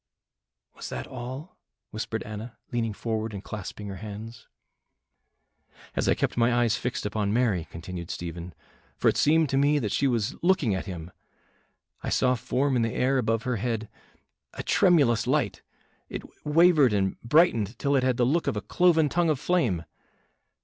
"Was that all?" whispered Anna, leaning forward and clasping her hands. "As I kept my eyes fixed upon Mary," continued Stephen "for it seemed to me that she was looking at Him I saw form in the air above her head a tremulous light, it wavered and brightened till it had the look of a cloven tongue of flame.